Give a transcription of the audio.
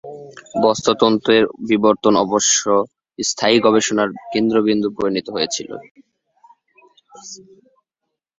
বাস্তুতন্ত্রের বিবর্তন অবশ্য স্থায়ী গবেষণার কেন্দ্রবিন্দুতে পরিণত হয়েছিল।